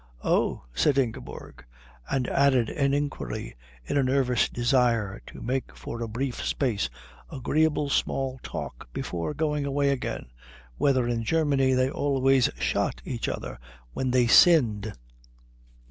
"Oh," said Ingeborg; and added an inquiry, in a nervous desire to make for a brief space agreeable small talk before going away again, whether in Germany they always shot each other when they sinned.